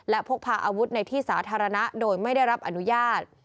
และพกพาอาวุธในที่สาธารณะโดยไม่ได้รับอนุญาต